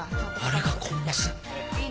あれがコンマス！？